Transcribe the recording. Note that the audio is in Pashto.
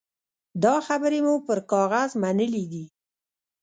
دا خبرې مو پر کاغذ منلي دي.